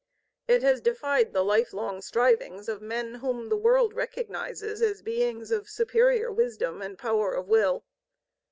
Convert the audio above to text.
It has defied the life long strivings of men whom the world recognizes as beings of superior wisdom and power of will.